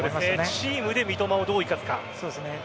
チームで三笘をどう生かすか。